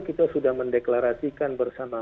kita sudah mendeklarasikan bersama